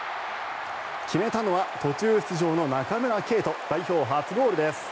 決めたのは途中出場の中村敬斗代表初ゴールです。